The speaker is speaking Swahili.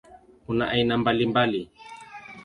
Kuna aina mbalimbali.